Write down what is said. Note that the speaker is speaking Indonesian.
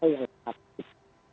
oh yang aktif